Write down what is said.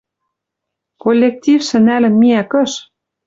Коллектившӹ нӓлӹн миӓ кыш?